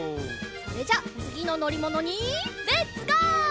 それじゃあつぎののりものにレッツゴー！